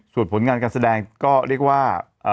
ส่วนผลงานการแสดงก็เรียกว่า